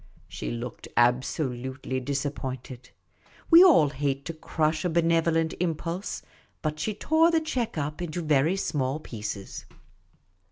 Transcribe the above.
'' She looked absolutely disappointed ; we all hate to crush a benevolent impulse ; but she tore the cheque up into very small pieces.